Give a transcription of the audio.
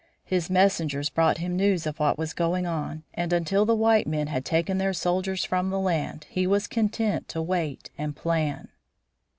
His messengers brought him news of what was going on, and until the white men had taken their soldiers from the land he was content to wait and plan.